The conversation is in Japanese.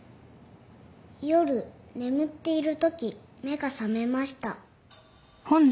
夜眠っているとき目が覚めました。